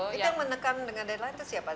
itu yang menekan dengan deadline itu siapa